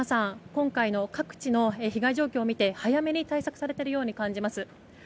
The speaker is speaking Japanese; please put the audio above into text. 今回の各地の被害状況を見て早めに対策されているように感じます。